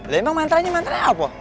lain bang mantranya mantranya apa